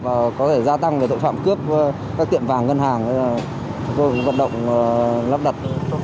và có thể gia tăng để tội phạm cướp các tiệm vàng ngân hàng vận động lắp đặt